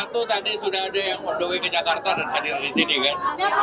dki satu tadi sudah ada yang berdiri ke jakarta dan hadir disini kan